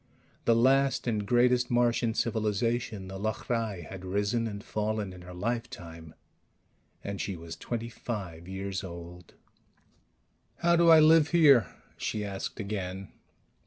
The last and greatest Martian civilization, the L'hrai, had risen and fallen in her lifetime. And she was twenty five years old. "How do I live here?" she asked again.